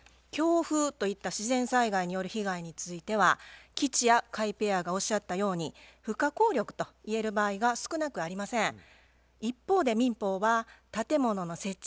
強風といった自然災害による被害については吉弥・甲斐ペアがおっしゃったように不可抗力といえる場合が少なくありません。